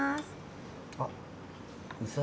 あっ。